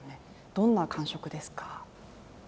どんな感触ですか。